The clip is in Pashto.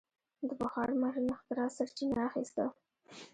د بخار ماشین اختراع سرچینه اخیسته.